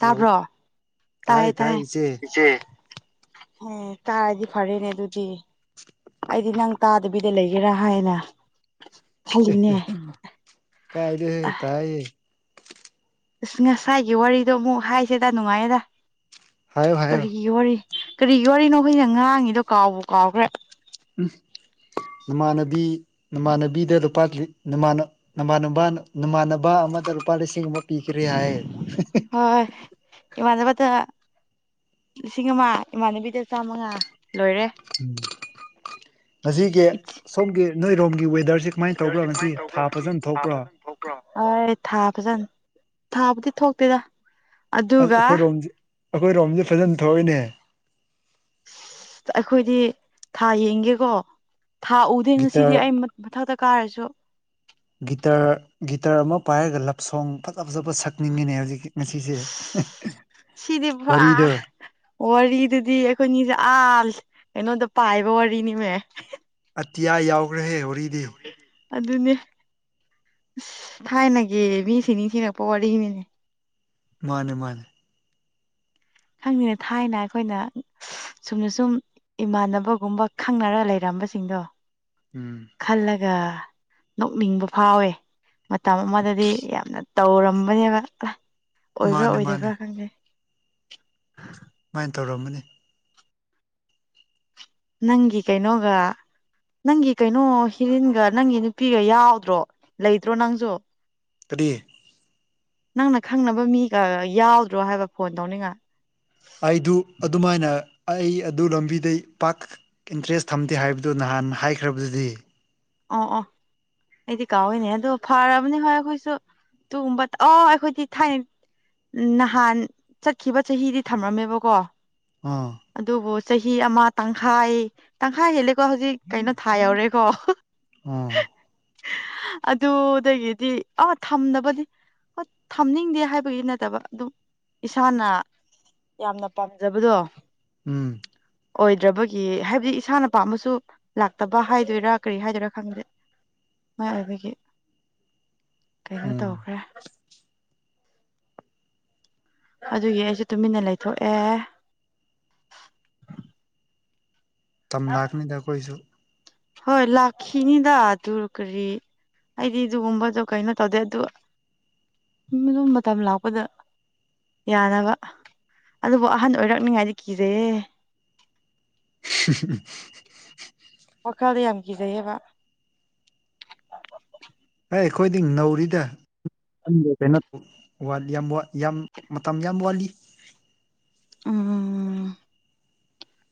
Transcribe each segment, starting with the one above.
hello ꯇꯥꯕ꯭ꯔꯣ ꯇꯥꯏ ꯇꯥꯏꯌꯦ ꯇꯥꯏ ꯏꯆꯦ ꯇꯥꯏꯆꯦ ꯑꯦ ꯇꯥꯏꯔꯗꯤ ꯐꯔꯦꯅꯦ ꯑꯗꯨꯗꯤ ꯑꯩꯗꯤ ꯅꯪ ꯇꯥꯗꯕꯤꯗ ꯂꯩꯒꯦꯔꯥ ꯍꯥꯏꯅ ꯈꯜꯂꯤꯅꯦ ꯀꯥꯏꯗ ꯍ ꯇꯥꯏꯌꯦ ꯑ ꯉꯁꯥꯏꯒꯤ ꯋꯥꯔꯤꯗꯣ ꯑꯃꯨꯛ ꯍꯥꯏꯁꯦꯗ ꯅꯨꯡꯉꯥꯏꯌꯦꯗ ꯍꯥꯏꯌꯣ ꯍꯥꯏꯌꯣ ꯀꯔꯤꯒꯤ ꯋꯥꯔꯤ ꯀꯔꯤꯒꯤ ꯋꯥꯔꯤꯅꯣ ꯑꯩꯈꯣꯏꯅ ꯉꯥꯡꯉꯤꯗꯣ ꯀꯥꯎꯕ ꯀꯥꯎꯈ꯭ꯔꯦ ꯎꯝ ꯅꯃꯥꯟꯅꯕꯤ ꯅꯃꯥꯟꯅꯕꯤꯗ ꯂꯨꯄꯥ ꯅꯥꯟ ꯅꯃꯥꯟ ꯅꯃꯥꯟꯅꯕ ꯑꯃꯗ ꯂꯨꯄꯥ ꯂꯤꯁꯤꯡ ꯑꯃ ꯄꯤꯈ꯭ꯔꯦ ꯍꯥꯏ ꯍ ꯏꯃꯥꯟꯅꯕꯗ ꯂꯤꯁꯤꯡ ꯑꯃ ꯏꯃꯥꯟꯅꯕꯤꯗ ꯆꯥꯝꯃꯉꯥ ꯂꯣꯏꯔꯦ ꯎꯝ ꯉꯁꯤꯒꯤ ꯏꯠꯁ ꯁꯣꯝꯒꯤ ꯅꯣꯏꯔꯣꯝꯒꯤ ꯋꯦꯗꯔꯁꯦ ꯁꯨꯃꯥꯏꯅ ꯇꯧꯕ꯭ꯔꯥ ꯃꯁꯤ ꯊꯥ ꯐꯖꯅ ꯊꯣꯛꯄ꯭ꯔꯣ ꯍꯣꯏ ꯊꯥ ꯐꯖꯅ ꯊꯥꯕꯨꯗꯤ ꯊꯣꯛꯇꯦꯗ ꯑ ꯑꯗꯨꯒ ꯑꯩꯈꯣꯏꯔꯣꯝꯁꯦ ꯑꯩꯈꯣꯏꯔꯣꯝꯁꯦ ꯐꯖꯅ ꯊꯣꯛꯏꯅꯦ ꯑ ꯑꯩꯈꯣꯏꯗꯤ ꯊꯥ ꯌꯦꯡꯒꯦꯀꯣ ꯊꯥ ꯎꯗꯦ ꯉꯁꯤꯗꯤ ꯒꯤꯇꯔ ꯑꯩ ꯃꯊꯛꯇ ꯀꯥꯔꯁꯨ ꯒꯤꯇꯔ ꯒꯤꯇꯔ ꯑꯃ ꯄꯥꯏꯔꯒ ꯂꯞ ꯁꯣꯡ ꯐꯖ ꯐꯖꯕ ꯁꯛꯅꯤꯡꯉꯤꯅꯦ ꯍꯧꯖꯤꯛꯀꯤ ꯉꯁꯤꯁꯦ ꯁꯤꯗꯤ ꯋꯥꯔꯤꯗ ꯄꯨꯔꯥ ꯋꯥꯔꯤꯗꯨꯗꯤ ꯑꯩꯈꯣꯏꯅꯤꯁꯦ ꯑꯥꯜ ꯑꯩꯉꯣꯟꯗ ꯄꯥꯏꯕ ꯋꯥꯔꯤꯅꯤꯃꯦ ꯑꯇꯤꯌꯥ ꯌꯥꯎꯈ꯭ꯔꯍꯦ ꯍꯔꯤꯗꯤ ꯑꯗꯨꯅꯦ ꯑꯁ ꯊꯥꯏꯅꯒꯤꯦ ꯃꯤꯁꯤ ꯅꯤꯡꯁꯤꯡꯤꯉꯛꯄ ꯋꯥꯔꯤꯅꯤꯅꯦ ꯃꯥꯅꯦ ꯃꯥꯅꯦ ꯈꯪꯗꯦꯅ ꯊꯥꯏꯅ ꯑꯩꯈꯣꯏꯅ ꯁꯨꯝꯅ ꯁꯨꯝ ꯏꯃꯥꯟꯅꯕꯒꯨꯝꯕ ꯈꯪꯅꯔ ꯂꯩꯔꯝꯕꯁꯤꯡꯗꯣ ꯎꯝ ꯈꯜꯂꯒ ꯅꯣꯛꯅꯤꯡꯕ ꯐꯥꯎꯋꯦ ꯃꯇꯝ ꯑꯃꯗꯗꯤ ꯌꯥꯝꯅ ꯇꯧꯔꯝꯕꯅꯦꯕ ꯑꯣꯏꯕ꯭ꯔꯥ ꯃꯥꯅꯦ ꯃꯥꯅꯦ ꯑꯣꯏꯗꯕ꯭ꯔꯥ ꯈꯪꯗꯦ ꯁꯨꯃꯥꯏꯅ ꯇꯧꯔꯝꯃꯅꯤ ꯅꯪꯒꯤ ꯀꯩꯅꯣꯒ ꯅꯪꯒꯤ ꯀꯩꯅꯣ ꯍꯤꯔꯤꯟꯒ ꯅꯪꯒꯤ ꯅꯨꯄꯤꯒ ꯌꯥꯎꯗ꯭ꯔꯣ ꯂꯩꯗ꯭ꯔꯣ ꯅꯪꯁꯨ ꯀꯔꯤꯗꯤ ꯅꯪꯅ ꯈꯪꯅꯕ ꯃꯤꯒ ꯌꯥꯎꯗ꯭ꯔꯣ ꯍꯥꯏꯕ ꯐꯣꯟ ꯇꯧꯅꯤꯉ ꯑꯩꯗꯨ ꯑꯗꯨꯃꯥꯏꯅ ꯑꯩ ꯑꯗꯨ ꯂꯝꯕꯤꯗꯩ ꯄꯥꯛ ꯏꯟꯇꯔꯦꯁ ꯊꯝꯗꯦ ꯍꯥꯏꯕꯗꯨ ꯅꯍꯥꯟ ꯍꯥꯏꯈ꯭ꯔꯕꯗꯨꯗꯤ ꯑꯣ ꯑꯣ ꯑꯩꯗꯤ ꯀꯥꯎꯋꯏꯅꯦ ꯑꯗꯣ ꯐꯔꯕꯅꯤ ꯍꯣꯏ ꯑꯩꯈꯣꯏꯁꯨ ꯇꯨꯒꯨꯝꯕ ꯑꯣ ꯑꯩꯈꯣꯏꯗꯤ ꯊꯥꯏꯅꯩ ꯅꯍꯥꯟ ꯆꯠꯈꯤꯕ ꯆꯍꯤꯗꯤ ꯊꯝꯔꯝꯃꯦꯕꯀꯣ ꯑꯥ ꯑꯗꯨꯕꯨ ꯆꯍꯤ ꯑꯃ ꯇꯪꯈꯥꯏ ꯇꯪꯈꯥꯏ ꯍꯦꯜꯂꯦ ꯀꯣ ꯍꯧꯖꯤꯛ ꯀꯩꯅꯣ ꯊꯥ ꯌꯧꯔꯦꯀꯣ ꯑꯥ ꯑꯗꯨꯗꯒꯤꯗꯤ ꯑ ꯊꯝꯅꯕꯅꯤ ꯍꯣꯏ ꯊꯝꯅꯤꯡꯗꯦ ꯍꯥꯏꯕꯒꯤ ꯅꯠꯇꯕ ꯑꯗꯨꯝ ꯏꯁꯥꯅ ꯌꯥꯝꯅ ꯄꯥꯝꯖꯕꯗꯣ ꯎꯝ ꯑꯣꯏꯗ꯭ꯔꯕꯒꯤ ꯍꯥꯏꯕꯗꯤ ꯏꯁꯥꯅ ꯄꯥꯝꯝꯕꯁꯨ ꯂꯥꯛꯇꯕ ꯍꯥꯏꯗꯣꯏꯔꯥ ꯀꯔꯤ ꯍꯥꯏꯗꯣꯏꯔꯥ ꯈꯪꯗꯦ ꯃꯥꯏꯏꯕꯒꯤ ꯀꯩꯅꯣ ꯎꯝ ꯇꯧꯈ꯭ꯔꯦ ꯑꯗꯨꯒꯤ ꯑꯩꯁꯨ ꯇꯨꯃꯤꯟꯅ ꯂꯩꯊꯣꯛꯑꯦ ꯇꯝ ꯂꯥꯛꯀꯅꯤꯗ ꯑꯩꯈꯣꯏꯁꯨ ꯍꯣꯏ ꯂꯥꯛꯈꯤꯅꯤꯗ ꯑꯗꯨ ꯀꯔꯤ ꯑꯩꯗꯤ ꯑꯗꯨꯒꯨꯝꯕꯗꯣ ꯀꯩꯅꯣ ꯇꯧꯗꯦ ꯑꯗꯨ ꯑꯗꯨ ꯃꯇꯝ ꯂꯥꯛꯄꯗ ꯌꯥꯅꯕ ꯑꯗꯨꯕꯨ ꯑꯍꯟ ꯑꯣꯏꯔꯛꯅꯤꯉꯥꯏꯗꯤ ꯀꯤꯔꯦ ꯎ ꯋꯥꯈꯜꯗ ꯌꯥꯝ ꯀꯤꯖꯩꯑꯦꯕ ꯑꯦ ꯑꯩꯈꯣꯏꯗꯤ ꯅꯧꯔꯤꯗ ꯈꯪꯗꯦ ꯀꯩꯅꯣ ꯋꯥꯠꯂꯤ ꯌꯥꯝ ꯌꯥꯝ ꯃꯇꯝ ꯌꯥꯝ ꯋꯥꯠꯂꯤ ꯎꯝ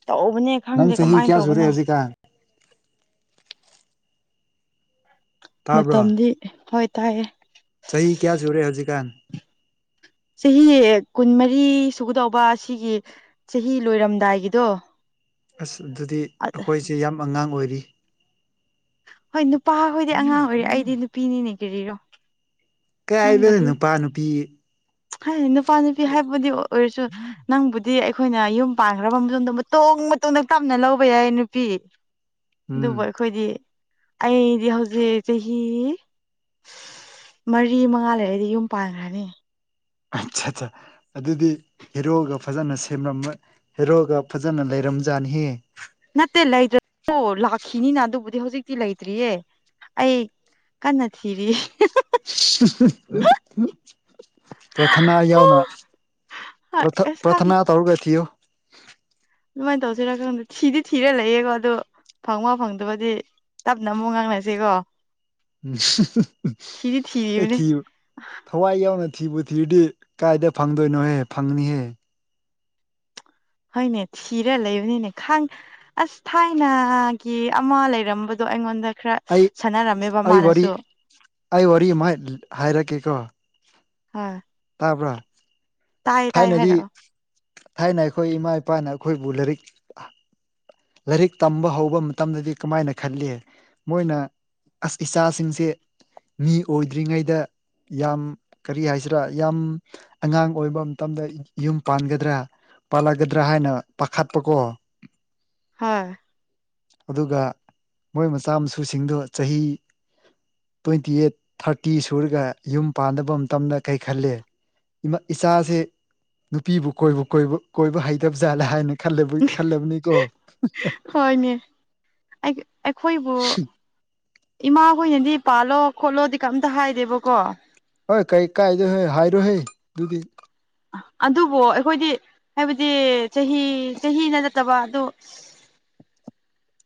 ꯇꯧꯕꯅꯦ ꯅꯪ ꯈꯪꯗꯦ ꯆꯍꯤ ꯀꯃꯥꯏꯅ ꯀꯌꯥ ꯁꯨꯔꯦ ꯇꯧꯕꯅꯣ ꯍꯧꯖꯤꯛꯀꯥꯟ ꯇꯥꯕ꯭ꯔꯣ ꯃꯇꯝꯗꯤ ꯍꯣꯏ ꯇꯥꯏꯑꯦ ꯆꯍꯤ ꯀꯌꯥ ꯁꯨꯔꯦ ꯍꯧꯖꯤ ꯀꯥꯟ ꯆꯍꯤ ꯀꯨꯟꯃꯔꯤ ꯁꯨꯒꯗꯧꯕ ꯑꯁꯤꯒꯤ ꯆꯍꯤ ꯂꯣꯏꯔꯝꯗꯥꯏꯒꯤꯗꯣ ꯑꯁ ꯑꯗꯨꯗꯤ ꯑꯩꯈꯣꯏꯁꯦ ꯌꯥꯝ ꯑꯉꯥꯡ ꯑꯣꯏꯔꯤ ꯍꯣꯏ ꯅꯨꯄꯥꯈꯣꯏꯗꯤ ꯑꯉꯥꯡ ꯑꯣꯏꯔꯦ ꯑꯩꯗꯤ ꯅꯨꯄꯤꯅꯤꯅ ꯀꯔꯤꯔꯣ ꯀꯩ ꯍꯥꯏꯕꯅ ꯅꯪꯒꯗꯤ ꯅꯨꯄꯥ ꯅꯨꯄꯤ ꯍꯥꯏ ꯅꯨꯄꯥ ꯅꯨꯄꯤ ꯍꯥꯏꯕꯨꯗꯤ ꯑꯣꯏꯔꯁꯨ ꯅꯪꯕꯨꯗꯤ ꯑꯩꯈꯣꯏꯅ ꯌꯨꯝ ꯄꯥꯟꯈ꯭ꯔꯕ ꯃꯇꯨꯡꯗ ꯃꯇꯣꯡ ꯃꯇꯣꯡꯗ ꯇꯞꯅ ꯂꯧꯕ ꯌꯥꯏ ꯅꯨꯄꯤ ꯎꯝ ꯑꯗꯨꯕꯨ ꯑꯩꯈꯣꯏꯗꯤ ꯑꯩꯗꯤ ꯍꯧꯖꯤꯛ ꯆꯍꯤ ꯃꯔꯤ ꯃꯉꯥ ꯂꯩꯔꯗꯤ ꯌꯨꯝ ꯄꯥꯟꯈ꯭ꯔꯅꯤ ꯑꯆꯥ ꯑꯆꯥ ꯑꯗꯨꯗꯤ ꯍꯦꯔꯣꯒ ꯐꯖꯅ ꯁꯦꯝꯂꯝ ꯍꯦꯔꯣꯒ ꯐꯖꯅ ꯂꯩꯔꯝꯖꯥꯠꯅꯤꯍꯦ ꯅꯠꯇꯦ ꯂꯩꯗ꯭ꯔꯁꯨ ꯂꯥꯛꯈꯤꯅꯤꯅ ꯑꯗꯨꯕꯨꯗꯤ ꯍꯧꯖꯤꯛꯇꯤ ꯂꯩꯇ꯭ꯔꯤꯌꯦ ꯑꯩ ꯀꯟꯅ ꯊꯤꯔꯤ [unintelligible] ꯄ꯭ꯔꯊꯅꯥ ꯌꯥꯎꯅ ꯄꯔꯊ ꯑꯁ ꯈꯪꯗꯦ ꯄꯔꯊꯅꯥ ꯇꯧꯔꯒ ꯊꯤꯌꯣ ꯑꯗꯨꯃꯥꯏꯅ ꯇꯧꯁꯤꯔꯥ ꯈꯪꯗꯦ ꯊꯤꯗꯤ ꯊꯤꯔ ꯂꯩꯌꯦꯀꯣ ꯑꯗꯨ ꯐꯪꯕ ꯐꯪꯗꯕꯗꯤ ꯇꯞꯅ ꯑꯃꯨꯛ ꯉꯥꯡꯅꯁꯤꯒꯣ [unintelligible] ꯑꯩ ꯊꯤꯔꯤꯕꯅꯦ ꯊꯤꯌꯨ ꯍꯋꯥꯏ ꯌꯥꯎꯅ ꯊꯤꯕꯨ ꯊꯤꯔꯗꯤ ꯀꯥꯏꯗ ꯐꯪꯗꯣꯏꯅꯣꯍꯦ ꯐꯪꯅꯤꯍꯦ ꯍꯣꯏꯅꯦ ꯊꯤꯔ ꯂꯩꯕꯅꯤꯅꯦ ꯈꯥꯡ ꯑꯁ ꯊꯥꯏꯅꯒꯤ ꯑꯃ ꯂꯩꯔꯝꯕꯗꯣ ꯑꯩꯉꯣꯟꯗ ꯈꯔ ꯑꯩ ꯁꯥꯟꯅꯔꯝꯃꯦꯕ ꯑꯩ ꯋꯥꯔꯤ ꯃꯥꯅꯁꯨ ꯑꯩ ꯋꯥꯔꯤ ꯑꯃꯥꯏ ꯍꯥꯏꯔꯛꯀꯦꯀꯣ ꯑꯥ ꯇꯥꯕ꯭ꯔꯥ ꯊꯥꯏꯅꯗꯤ ꯍꯥꯏꯔꯛꯑꯣ ꯊꯥꯏꯅ ꯑꯩꯈꯣꯏ ꯏꯃꯥ ꯏꯄꯥꯅ ꯑꯩꯈꯣꯏꯕꯨ ꯂꯥꯏꯔꯤꯛ ꯂꯥꯏꯔꯤꯛ ꯇꯝꯕ ꯍꯧꯕ ꯃꯇꯝꯗꯗꯤ ꯀꯃꯥꯏꯅ ꯈꯜꯂꯤ ꯃꯣꯏꯅ ꯑꯁ ꯏꯆꯥꯁꯤꯡꯁꯦ ꯃꯤ ꯑꯣꯏꯗ꯭ꯔꯤꯉꯩꯗ ꯌꯥꯝ ꯀꯔꯤ ꯍꯥꯏꯁꯤꯔꯥ ꯌꯥꯝ ꯑꯉꯥꯡ ꯑꯣꯏꯕ ꯃꯇꯝꯗ ꯌꯨꯝ ꯄꯥꯟꯒꯗ꯭ꯔꯥ ꯄꯥꯜꯂꯒꯗ꯭ꯔꯥ ꯍꯥꯏꯅ ꯄꯥꯈꯠꯄꯀꯣ ꯍꯣꯏ ꯑꯗꯨꯒ ꯃꯣꯏ ꯃꯆꯥ ꯃꯁꯨꯁꯤꯡꯗꯣ ꯆꯍꯤ ꯇ꯭ꯋꯦꯟꯇꯤ ꯑꯦꯠ ꯊꯥꯔꯇꯤ ꯁꯨꯔꯒ ꯌꯨꯝ ꯄꯥꯟꯗꯅꯕ ꯃꯇꯝꯗ ꯀꯩ ꯈꯜꯂꯦ ꯏꯆꯥꯖꯦ ꯅꯨꯄꯤꯕꯨ ꯀꯣꯏꯕꯨ ꯀꯣꯏ ꯀꯣꯏꯕ ꯍꯩꯇꯕ ꯖꯥꯠꯂꯦ ꯍꯥꯏꯅ ꯈꯜꯂꯦꯕꯣꯏ ꯈꯜꯂꯝꯅꯤꯀꯣ ꯍꯣꯏꯅꯦ ꯑꯩ ꯑꯩꯈꯣꯏꯕꯨ ꯏꯃꯥꯈꯣꯏꯅꯗꯤ ꯄꯥꯜꯂꯣ ꯈꯣꯠꯂꯣꯗꯤ ꯀꯝꯇ ꯍꯥꯏꯗꯦꯕꯀꯣ ꯍꯣꯏ ꯀꯩ ꯀꯥꯏꯗꯣꯏ ꯍꯣꯏ ꯍꯥꯏꯔꯣꯍꯦ ꯑꯗꯨꯗꯤ ꯑꯗꯨꯕꯨ ꯑꯩꯈꯣꯏꯗꯤ ꯍꯥꯏꯕꯗꯤ ꯆꯍꯤ ꯆꯍꯤꯅ ꯅꯠꯇꯕ ꯑꯗꯨ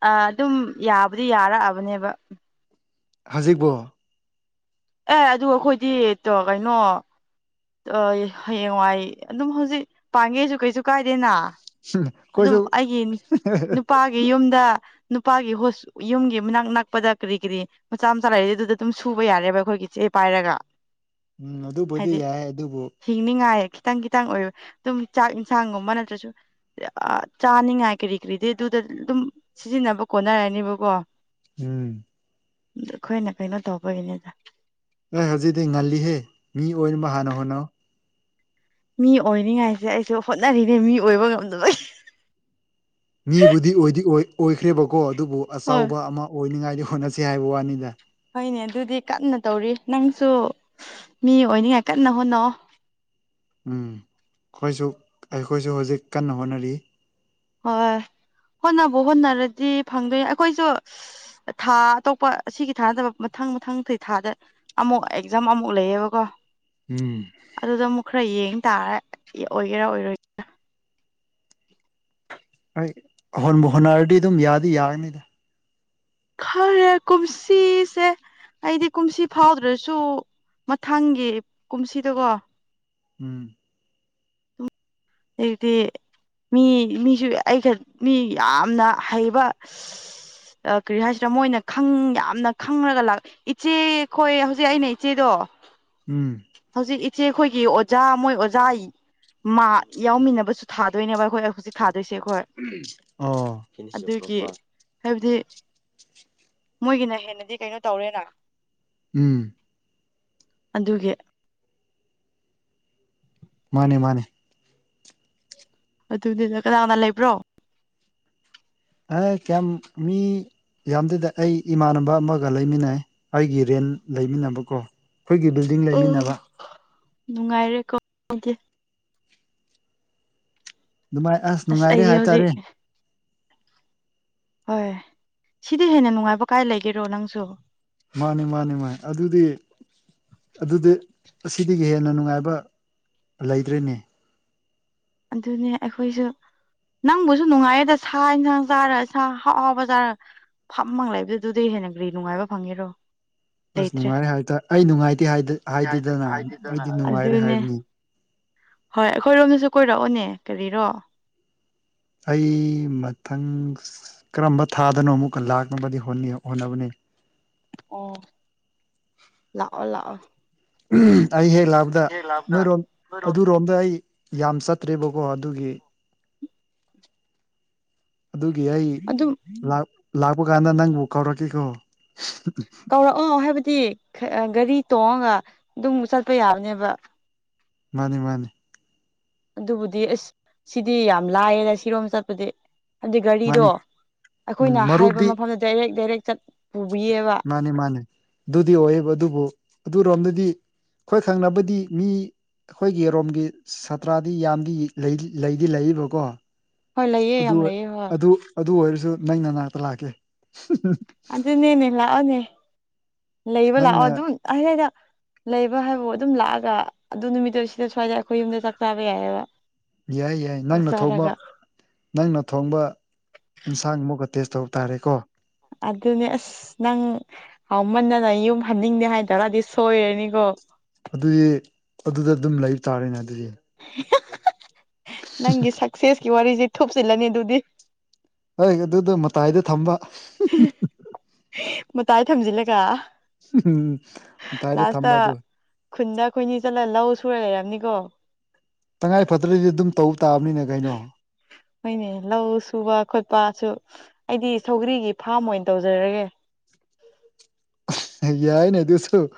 ꯑ ꯑꯗꯨꯝ ꯌꯥꯕꯨꯗꯤ ꯌꯥꯔꯛꯑꯕꯅꯦꯕ ꯍꯧꯖꯤꯛꯕꯣ ꯑꯦ ꯑꯗꯨ ꯑꯩꯈꯣꯏꯗꯤ ꯀꯩꯅꯣ ꯍꯌꯦꯡꯋꯥꯏ ꯑꯗꯨꯝ ꯍꯧꯖꯤꯛ ꯄꯥꯡꯒꯦꯁꯨ ꯀꯩꯁꯨ ꯀꯥꯏꯗꯦꯅ ꯑꯗꯨꯝ ꯑꯩꯈꯣꯏꯁꯨ ꯑꯩꯒꯤ ꯅꯨꯄꯥꯒꯤ ꯌꯨꯝꯗ ꯅꯨꯄꯥꯒꯤ ꯍꯣ ꯌꯨꯝꯒꯤ ꯃꯅꯥꯛ ꯅꯛꯄꯗ ꯀꯔꯤ ꯀꯔꯤ ꯃꯆꯥ ꯃꯆꯥ ꯂꯩꯔꯤꯗꯤ ꯑꯗꯨꯗ ꯑꯗꯨꯝ ꯁꯨꯕ ꯌꯥꯔꯦꯕ ꯑꯩꯈꯣꯏꯒꯤ ꯆꯦ ꯄꯥꯏꯔꯒ ꯎꯝ ꯑꯗꯨꯕꯨꯗꯤ ꯍꯥꯏꯗꯤ ꯌꯥꯏ ꯑꯗꯨꯕꯨ ꯍꯤꯡꯅꯤꯡꯉꯥꯏ ꯈꯤꯇꯪ ꯈꯤꯇꯪ ꯑꯣꯏꯕ ꯑꯗꯨꯝ ꯆꯥꯛ ꯏꯟꯁꯥꯡꯒꯨꯝꯕ ꯅꯠꯇ꯭ꯔꯁꯨ ꯆꯥꯅꯤꯡꯉꯥꯏ ꯀꯔꯤ ꯀꯔꯤꯗꯤ ꯑꯗꯨꯗ ꯑꯗꯨꯝ ꯁꯤꯖꯤꯟꯅꯕ ꯈꯣꯠꯅꯔꯅꯦꯕꯀꯣ ꯎꯝ ꯑꯩꯈꯣꯏꯅ ꯀꯩꯅꯣ ꯇꯧꯕꯒꯤꯅꯤꯗ ꯑꯩ ꯍꯧꯖꯤꯛꯗꯤ ꯉꯜꯂꯤꯍꯦ ꯃꯤ ꯑꯣꯏꯕ ꯍꯥꯟꯅ ꯍꯣꯠꯅꯧ ꯃꯤ ꯑꯣꯏꯅꯤꯉꯥꯏꯁꯦ ꯑꯩꯁꯨ ꯍꯣꯠꯅꯔꯤꯅꯦ ꯃꯤ ꯑꯣꯏꯕ ꯉꯝꯗꯣꯏ ꯃꯤꯕꯨꯗꯤ ꯑꯣꯏꯗꯤ ꯑꯣꯏꯈ꯭ꯔꯦꯕꯀꯣ ꯑꯗꯨꯕꯨ ꯍꯣꯏ ꯑꯆꯕ ꯑꯃ ꯑꯣꯏꯅꯤꯉꯥꯏꯗꯤ ꯍꯣꯠꯅꯁꯤ ꯍꯥꯏꯕ ꯋꯥꯅꯤꯗ ꯍꯣꯏꯅꯦ ꯑꯗꯨꯗꯤ ꯀꯟꯅ ꯇꯧꯔꯤ ꯅꯪꯁꯨ ꯃꯤ ꯑꯣꯏꯅꯤꯉꯥꯏ ꯀꯟꯅ ꯍꯣꯠꯅꯧ ꯎꯝ ꯑꯩꯈꯣꯏꯁꯨ ꯑꯩꯈꯣꯏꯁꯨ ꯍꯧꯖꯤꯛ ꯀꯟꯅ ꯍꯣꯠꯅꯔꯤ ꯍꯣꯏ ꯍꯣꯠꯅꯕ ꯍꯣꯠꯅꯔꯗꯤ ꯐꯪꯗꯣꯏꯅꯦ ꯑꯩꯈꯣꯏꯁꯨ ꯊꯥ ꯑꯇꯣꯞꯄ ꯑꯁꯤꯒꯤ ꯊꯥꯅꯗꯕ ꯃꯊꯪ ꯃꯊꯪ ꯊꯥꯗ ꯑꯃꯨꯛ ꯑꯦꯛꯖꯥꯝ ꯑꯃꯨꯛ ꯂꯩꯌꯦꯕꯀꯣ ꯎꯝ ꯑꯗꯨꯗ ꯑꯃꯨꯛ ꯈꯔ ꯌꯦꯡ ꯇꯥꯔ ꯑꯣꯏꯒꯦꯔꯥ ꯑꯣꯏꯔꯣꯏ ꯍꯣꯏ ꯍꯣꯠꯅꯔꯗꯤ ꯑꯗꯨꯝ ꯌꯥꯗꯤ ꯌꯥꯔꯅꯤꯗ ꯈꯔꯦ ꯀꯨꯨꯝꯁꯤꯁꯦ ꯑꯩꯗꯤ ꯀꯨꯝꯁꯤ ꯐꯥꯎꯗ꯭ꯔꯁꯨ ꯃꯊꯪꯒꯤ ꯀꯨꯝꯁꯤꯗꯀꯣ ꯎꯝ ꯑꯗꯤ ꯃꯤ ꯃꯤꯁꯨ ꯑꯩ ꯃꯤ ꯌꯥꯝꯅ ꯍꯩꯕ ꯀꯔꯤ ꯍꯥꯏꯁꯤꯔ ꯃꯣꯏꯅ ꯈꯪ ꯌꯥꯝꯅ ꯈꯪꯉꯒ ꯂ ꯏꯆꯦꯈꯣꯏ ꯍꯧꯖꯤꯛ ꯑꯩꯅ ꯏꯆꯦꯗꯣ ꯎꯝ ꯍꯧꯖꯤꯛ ꯏꯆꯦ ꯑꯩꯈꯣꯏꯒꯤ ꯑꯣꯖꯥ ꯃꯣꯏ ꯑꯣꯖꯥ ꯃꯥ ꯌꯥꯎꯃꯤꯟꯅꯕꯁꯨ ꯊꯥꯗꯣꯏꯅꯦꯕ ꯑꯩꯈꯣꯏ ꯍꯧꯖꯤꯛ ꯊꯥꯗꯣꯏꯁꯦ ꯑꯩꯈꯣꯏ ꯑꯣ ꯀ ꯑꯗꯨꯒꯤ ꯄ꯭ꯔꯐꯥ ꯍꯥꯏꯕꯗꯤ ꯃꯣꯏꯒꯤꯅ ꯍꯦꯟꯅꯗꯤ ꯀꯩꯅꯣ ꯇꯧꯔꯦꯅ ꯎꯝ ꯑꯗꯨꯒꯤ ꯃꯥꯅꯦ ꯃꯥꯅꯦ ꯑꯗꯨꯗꯨꯗ ꯀꯅꯥꯏ ꯀꯅꯥ ꯂꯩꯕ꯭ꯔꯣ ꯑꯦ ꯀ ꯃꯤ ꯌꯥꯝꯗꯗꯤ ꯑꯩ ꯏꯃꯥꯟꯅꯕ ꯑꯃꯒ ꯂꯩꯃꯤꯟꯅꯩ ꯑꯩꯒꯤ ꯔꯦꯟ ꯂꯩꯃꯤꯟꯅꯕꯀꯣ ꯑꯩꯈꯣꯏꯒꯤ ꯕꯤꯜꯗꯤꯡ ꯂꯩꯃꯤꯟꯅꯕ ꯅꯨꯡꯉꯥꯏꯔꯦ ꯀ ꯅꯨꯡꯉꯥꯏ ꯑꯁ ꯅꯨꯡꯉꯥꯏꯔꯦ ꯑꯩꯗꯤ ꯍꯧꯖꯤꯛ ꯍꯥꯏꯇꯥꯔꯦ ꯍꯣꯏ ꯁꯤꯗꯤ ꯍꯦꯟꯅ ꯅꯨꯡꯉꯥꯏꯕ ꯀꯥꯏ ꯂꯩꯒꯦꯔꯣ ꯅꯪꯁꯨ ꯃꯥꯅꯤ ꯃꯥꯅꯤ ꯃꯥ ꯑꯗꯨꯗꯤ ꯑꯗꯨꯗꯤ ꯑꯁꯤꯗꯒꯤ ꯍꯦꯟꯅ ꯅꯨꯡꯉꯥꯏꯕ ꯂꯩꯗ꯭ꯔꯔꯤꯅꯦ ꯑꯗꯨꯅꯤ ꯑꯩꯈꯣꯏꯁꯨ ꯅꯪꯕꯨꯁꯨ ꯅꯨꯡꯉꯥꯏꯌꯦꯗ ꯁꯥ ꯌꯦꯟꯁꯥꯡ ꯆꯥꯔ ꯁꯥ ꯍꯥꯎ ꯍꯥꯎꯕ ꯆꯥꯔ ꯐꯝꯃꯪ ꯂꯩꯏꯕꯗꯨ ꯑꯗꯨꯗꯩ ꯍꯦꯟꯅ ꯀ꯭ꯔꯤ ꯅꯨꯡꯉꯥꯏꯕ ꯐꯪꯉꯤꯔꯣ ꯑꯁ ꯅꯨꯡꯉꯥꯏꯔꯦ ꯍꯥꯏꯇꯥꯔꯦ ꯑꯩ ꯅꯨꯡꯉꯥꯏꯇꯦ ꯍꯥꯏꯗꯦꯗꯅ ꯑꯩꯗꯤ ꯅꯨꯡꯉꯥꯏꯔꯦ ꯑꯗꯨꯅꯦ ꯍꯥꯏꯕꯅꯤ ꯍꯣꯏ ꯑꯩꯈꯣꯏꯔꯣꯝꯗꯁꯨ ꯀꯣꯏꯔꯛꯑꯣꯅꯦ ꯀꯔꯤꯔꯣ ꯑꯩ ꯃꯊꯪ ꯀꯔꯝꯕ ꯊꯥꯗꯅꯣ ꯑꯃꯨꯛꯀ ꯂꯥꯛꯅꯕꯗꯤ ꯍꯣꯠꯅꯕꯅꯤ ꯑꯣ ꯂꯥꯛꯑꯣ ꯂꯥꯛꯑꯣ ꯑꯩ ꯍꯦꯛ ꯂꯥꯛꯄꯗ ꯅꯣꯏꯔꯣꯝ ꯑꯗꯨꯔꯣꯝꯗ ꯑꯩ ꯌꯥꯝ ꯆꯠꯇ꯭ꯔꯦꯕꯀꯣ ꯑꯗꯨꯒꯤ ꯑꯗꯨꯒꯤ ꯑꯩ ꯑꯗꯨꯝ ꯂꯥꯛ ꯂꯥꯛꯄ ꯀꯥꯟꯅ ꯅꯪꯕꯨ ꯀꯧꯔꯛꯀꯦꯀꯣ ꯀꯧꯔꯛꯑꯣ ꯍꯥꯏꯕꯗꯤ ꯒꯑꯦ ꯒꯥꯔꯤ ꯇꯣꯡꯉꯒ ꯑꯗꯨꯝ ꯆꯠꯄ ꯌꯥꯕꯅꯦꯕ ꯃꯥꯅꯦ ꯃꯥꯅꯦ ꯑꯗꯨꯕꯨꯗꯤ ꯐꯁ ꯁꯤꯗꯤ ꯌꯥꯝ ꯂꯥꯏꯌꯦꯗ ꯁꯤꯔꯣꯝ ꯆꯠꯄꯗꯤ ꯑꯗꯨꯗꯤ ꯒꯥꯔꯤꯗꯣ ꯃꯥꯅꯤ ꯎꯝ ꯑꯩꯈꯣꯏꯅ ꯍꯥꯏꯕ ꯃꯔꯨꯞꯇꯤ ꯃꯐꯝꯗ ꯗꯥꯏꯔꯦꯛ ꯗꯥꯏꯔꯦꯛ ꯆꯠ ꯄꯨꯕꯤꯌꯦꯕ ꯃꯥꯅꯦ ꯃꯥꯅꯦ ꯗꯨꯗꯤ ꯑꯣꯏꯌꯦꯕ ꯗꯨꯕꯨ ꯑꯗꯨꯔꯣꯝꯗꯗꯤ ꯈꯣꯏ ꯊꯪꯅꯕꯗꯤ ꯃꯤ ꯑꯩꯈꯣꯏ ꯔꯣꯝꯒꯤ ꯁꯥꯇ꯭ꯔꯗꯤ ꯌꯥꯝꯗꯤ ꯂꯩꯗꯤ ꯂꯩꯕꯀꯣ ꯍꯣꯏ ꯂꯩꯌꯦ ꯑꯗꯨ ꯌꯥꯝ ꯂꯩꯌꯦ ꯍꯣꯏ ꯑꯗꯨ ꯑꯗꯨ ꯑꯣꯏꯔꯁꯨ ꯅꯪ ꯅꯅꯥꯛꯇ ꯂꯥꯛꯀꯦ ꯑꯗꯨ ꯅꯦꯅꯦꯂ ꯑꯣꯅꯦ ꯂꯩꯕ ꯂꯥꯛꯑꯣ ꯅꯪꯅ ꯑꯗꯨꯝ ꯑꯍꯗꯥꯏꯗ ꯂꯩꯕ ꯍꯥꯏꯕꯕꯨ ꯑꯗꯨꯝ ꯂꯥꯛꯑꯒ ꯑꯗꯨ ꯅꯨꯃꯤꯠꯇꯨ ꯁꯤꯗ ꯁ꯭ꯋꯥꯏꯗ ꯑꯩꯈꯣꯏ ꯌꯨꯝꯗ ꯆꯥꯛ ꯆꯥꯕ ꯌꯥꯏꯑꯕ ꯌꯥꯏ ꯌꯥꯏ ꯆꯥꯛ ꯅꯪꯅ ꯊꯧꯕ ꯆꯥꯔꯒ ꯅꯪꯅ ꯊꯣꯡꯕ ꯏꯟꯁꯥꯡ ꯑꯃꯨꯛꯀ ꯇꯦꯁ ꯇꯧꯕ ꯇꯥꯔꯦꯀꯣ ꯑꯗꯨꯅꯦ ꯑꯁ ꯅꯪ ꯍꯥꯎꯃꯟꯅꯅ ꯌꯨꯝ ꯍꯟꯅꯤꯡꯗꯦ ꯍꯥꯏꯇꯥꯔꯗꯤ ꯁꯣꯏꯔꯅꯤꯀꯣ ꯑꯗꯨꯗꯤ ꯑꯗꯨꯗ ꯑꯗꯨꯝ ꯂꯩꯕ ꯇꯥꯔꯦꯅꯦ ꯑꯗꯨꯗꯤ ꯅꯪꯒꯤ ꯁꯛꯁꯦꯁꯀꯤ ꯋꯥꯔꯤꯁꯦ ꯊꯨꯞꯆꯤꯜꯂꯅꯤ ꯑꯗꯨꯗꯤ ꯍꯣꯏ ꯑꯗꯨꯗꯣ ꯃꯇꯥꯏꯗ ꯊꯝꯕ ꯃꯇꯥꯏ ꯊꯝꯖꯤꯜꯂꯒ ꯎꯝ ꯇꯥꯏꯔꯦ ꯂꯥꯁꯇ ꯊꯝꯕ ꯑꯗꯨ ꯈꯨꯟꯗ ꯈꯣꯏꯟꯅꯤ ꯆꯠꯂ ꯂꯧ ꯁꯨꯔ ꯂꯩꯔꯕꯝꯅꯤꯀꯣ ꯇꯉꯥꯏ ꯐꯗ꯭ꯔꯗꯤ ꯑꯗꯨꯝ ꯇꯧꯕ ꯇꯥꯕꯅꯤꯅ ꯀꯩꯅꯣ ꯍꯣꯏꯅꯦ ꯂꯧ ꯁꯨꯕ ꯈꯣꯠꯄꯁꯨ ꯑꯩꯗꯤ ꯁꯧꯒ꯭ꯔꯤꯒꯤ ꯐꯥꯝ ꯑꯣꯏꯅ ꯇꯧꯖꯔꯒꯦ ꯌꯥꯏꯅꯦ ꯑꯗꯨꯨꯁꯨ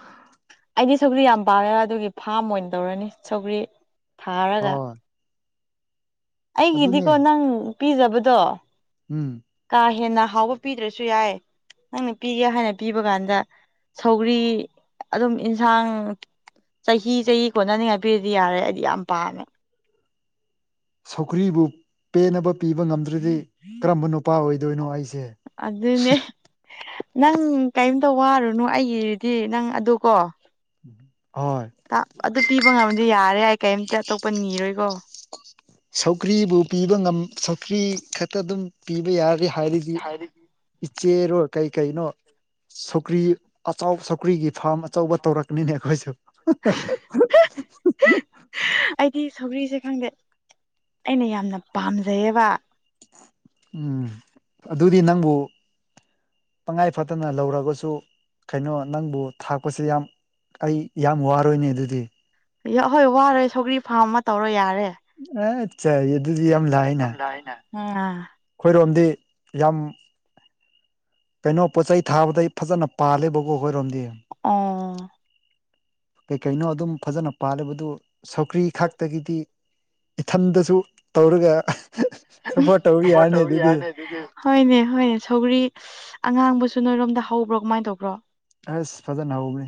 ꯑꯩꯗꯤ ꯁꯧꯒ꯭ꯔꯤ ꯌꯥꯝ ꯄꯥꯝꯃꯦꯕ ꯑꯗꯨꯒꯤ ꯐꯥꯝ ꯑꯣꯏꯅ ꯇꯧꯔꯅꯤ ꯁꯧꯒ꯭ꯔꯤ ꯊꯥꯔꯒ ꯍꯣꯏ ꯑꯗꯨꯅꯦ ꯑꯩꯒꯤꯗꯤꯀꯣ ꯅꯪ ꯄꯤꯖꯕꯗꯣ ꯎꯝ ꯀꯥ ꯍꯦꯟꯅ ꯍꯥꯎꯕ ꯄꯤꯗ꯭ꯔꯁꯨ ꯌꯥꯏ ꯅꯪꯅ ꯄꯤꯒꯦ ꯍꯥꯏꯅ ꯄꯤꯕ ꯀꯥꯟꯗ ꯁꯧꯒꯔꯤ ꯑꯗꯨꯝ ꯑꯦꯟꯁꯥꯡ ꯆꯍꯤ ꯆꯍꯤ ꯀꯣꯟꯅꯅꯤꯡꯉꯥꯏ ꯄꯤꯔꯗꯤ ꯌꯥꯔꯦ ꯑꯩꯗꯤ ꯌꯥꯝ ꯄꯥꯝꯃꯦ ꯁꯧꯀ꯭ꯔꯤꯕꯨ ꯄꯦꯟꯅꯕ ꯄꯤꯕ ꯉꯝꯗ꯭ꯔꯗꯤ ꯀꯔꯝꯕ ꯅꯨꯄꯥ ꯑꯣꯏꯗꯣꯏꯅꯣ ꯑꯩꯁꯦ ꯑꯗꯨꯅꯦ ꯅꯪ ꯀꯔꯤꯝꯇ ꯋꯥꯔꯨꯅꯨ ꯑꯩꯒꯤꯗꯤ ꯅꯪ ꯑꯗꯨ ꯀꯣ ꯍꯣꯏ ꯇ ꯑꯗꯨ ꯄꯤꯕ ꯉꯝꯗꯤ ꯌꯥꯔꯦ ꯑꯩ ꯀꯩꯝꯇ ꯑꯇꯣꯞꯄ ꯅꯤꯔꯣꯏꯀꯣ ꯁꯧꯀ꯭ꯔꯤꯕꯨ ꯄꯤꯕ ꯉꯝ ꯁꯧꯀ꯭ꯔꯤ ꯈꯛꯇ ꯑꯗꯨꯝ ꯄꯤꯕ ꯌꯥꯔꯦ ꯍꯥꯏꯔꯤꯗꯤ ꯏꯆꯦꯔꯣ ꯀꯩ ꯀꯩꯅꯣ ꯁꯧꯀ꯭ꯔꯤ ꯑꯆꯥꯎ ꯁꯧꯀ꯭ꯔꯤꯒꯤ ꯐꯥꯔꯝ ꯑꯆꯧꯕ ꯇꯧꯔꯛꯀꯅꯤꯅꯦ ꯑꯩꯈꯣꯏꯁꯨ ꯍꯥꯍꯥꯍꯥ ꯑꯩꯗꯤ ꯁꯧꯒꯔꯤꯁꯦ ꯈꯪꯗꯦ ꯑꯩꯅ ꯌꯥꯝꯅ ꯄꯥꯝꯖꯩꯌꯦꯕ ꯎꯝ ꯑꯗꯨꯗꯤ ꯅꯪꯕꯨ ꯇꯉꯥꯏ ꯐꯗꯅ ꯂꯧꯔꯒꯁꯨ ꯀꯩꯅꯣ ꯅꯪꯕꯨ ꯊꯥꯛꯄꯁꯦ ꯌꯥꯝ ꯑꯩ ꯌꯥꯝ ꯋꯥꯔꯣꯏꯅꯦ ꯑꯗꯨꯗꯤ ꯌꯥ ꯍꯣꯏ ꯋꯥꯔꯣꯏ ꯁꯧꯒ꯭ꯔꯤ ꯐꯥꯔꯝ ꯑꯃ ꯇꯧꯔꯣ ꯌꯥꯔꯦ ꯑꯆꯥ ꯌꯦꯗꯨꯗꯤ ꯌꯥꯝ ꯂꯥꯏꯌꯦ ꯌꯥꯝ ꯂꯥꯏꯌꯦꯅ ꯈꯣꯏꯔꯣꯝꯗꯤ ꯌꯥꯝ ꯀꯩꯅꯣ ꯄꯣꯠ ꯆꯩ ꯊꯥꯕꯗꯩ ꯐꯖꯅ ꯄꯥꯜꯂꯤꯦꯕꯀꯣꯈꯣꯏꯔꯣꯝꯗꯤ ꯑꯣ ꯀꯩ ꯀꯩꯅꯣ ꯑꯗꯨꯝ ꯐꯖꯅ ꯄꯥꯜꯂꯤꯦꯕꯗꯨ ꯁꯧꯀ꯭ꯔꯤ ꯈꯥꯛꯇꯒꯤꯗꯤ ꯏꯊꯟꯗꯁꯨ ꯇꯧꯔꯒ ꯁꯞꯄꯣꯔꯠ ꯇꯧ ꯌꯥꯔꯅꯤ ꯑꯗꯨꯗꯤ ꯍꯣꯏꯅꯦ ꯍꯣꯏꯅꯦ ꯁꯧꯒꯔꯤ ꯑꯉꯥꯡꯕꯁꯨ ꯅꯣꯏꯔꯣꯝꯗ ꯍꯧꯕ꯭ꯔꯣ ꯀꯃꯥꯏꯅ ꯇꯧꯕ꯭ꯔꯣ ꯑꯁ ꯐꯖꯅ ꯍꯥꯎꯕꯅꯤ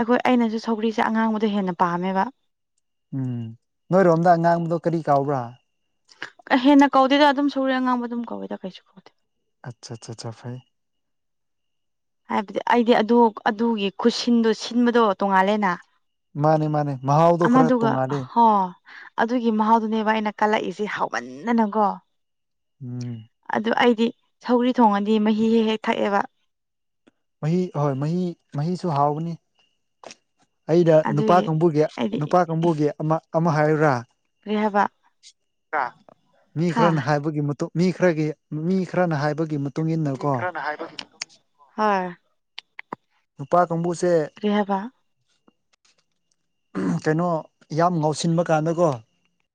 ꯑꯩꯈꯣꯏ ꯑꯩꯅꯁꯨ ꯁꯧꯒ꯭ꯔꯤꯁꯦ ꯑꯉꯥꯡꯕꯗꯨ ꯍꯦꯟꯅ ꯄꯥꯝꯃꯦꯕ ꯎꯝ ꯅꯣꯏꯔꯣꯝꯗ ꯑꯉꯥꯡꯕꯗꯣ ꯀꯔꯤ ꯀꯧꯕ꯭ꯔꯥ ꯀ ꯍꯦꯟꯅ ꯀꯧꯗꯦꯗ ꯑꯗꯨꯝ ꯁꯨꯒ꯭ꯔꯤ ꯑꯉꯥꯡꯕ ꯑꯗꯨꯝ ꯀꯧꯏꯗ ꯀꯩꯁꯨ ꯀꯧꯗꯦ ꯑꯠꯆꯥ ꯆꯥ ꯆꯥ ꯐꯩ ꯍꯥꯏꯕꯗꯤ ꯑꯩꯗꯤ ꯑꯗꯨ ꯑꯗꯨꯒꯤ ꯈꯨꯠꯁꯤꯟꯗꯣ ꯁꯤꯟꯕꯗꯣ ꯇꯣꯡꯉꯥꯜꯂꯦꯅ ꯃꯥꯅꯦ ꯃꯥꯅꯦ ꯃꯍꯥꯎꯗꯣ ꯈꯔ ꯑꯃꯗꯨꯒ ꯇꯣꯡꯉꯥꯜꯂꯦ ꯍꯣ ꯑꯗꯨꯒꯤ ꯃꯍꯥꯎꯗꯨꯅꯦꯕ ꯑꯩꯅ ꯀꯜꯂꯛꯏꯁꯦ ꯍꯥꯎꯃꯟꯗꯅꯀꯣ ꯎꯝ ꯑꯗꯨ ꯑꯩꯗꯤ ꯁꯧꯒꯔꯤ ꯊꯣꯡꯉꯗꯤ ꯃꯍꯤ ꯍꯦꯛ ꯍꯦꯛ ꯊꯛꯑꯦꯕ ꯃꯍꯤ ꯍ‌ꯣꯏ ꯃꯍꯤ ꯃꯍꯤꯁꯨ ꯍꯥꯎꯕꯅꯤ ꯑꯩꯗ ꯅꯨꯄꯥ ꯑꯗꯨꯒꯤ ꯀꯥꯡꯕꯨꯒꯤ ꯑꯩꯗꯤ ꯅꯨꯄꯥ ꯀꯥꯡꯕꯨꯒꯤ ꯑꯃ ꯑꯃ ꯍꯥꯏꯔꯨꯔꯥ ꯀꯩꯍꯥꯏꯕ ꯃꯤ ꯈꯔꯅ ꯍꯥꯏꯕꯒꯤ ꯃꯇꯨꯡ ꯃꯤ ꯈꯔꯒꯤ ꯃꯤ ꯈꯔꯅ ꯍꯥꯏꯕꯒꯤ ꯃꯇꯨꯡ ꯏꯟꯅ ꯀꯣ ꯍꯣꯏ ꯅꯨꯄꯥ ꯀꯥꯡꯕꯨꯁꯦ ꯀ꯭ꯔꯤ ꯍꯥꯏꯕ ꯀꯩꯅꯣ ꯌꯥꯝ ꯉꯥꯎꯁꯤꯟꯕ ꯀꯥꯟꯗꯀꯣ